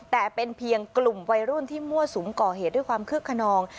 แต่เป็นเพียงกลุ่มวัยรุ่นที่มั่วสุมก่อเหตุด้วยความคึกขนอง